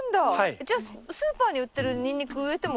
じゃあスーパーに売ってるニンニク植えてもできるんですか？